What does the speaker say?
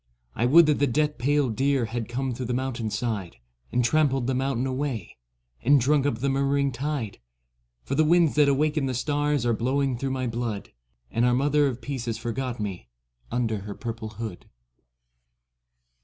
1 would that the death pale deer Had come through the mountain side, And trampled the mountain away, And drunk up the murmuring tide; For the winds that awakened the stars Are blowing through my blood. And our Mother of Peace has forgot me Under her purple hood.